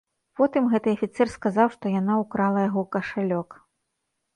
Потым гэты афіцэр сказаў, што яна ўкрала яго кашалёк.